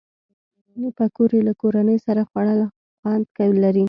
پکورې له کورنۍ سره خوړل خوند لري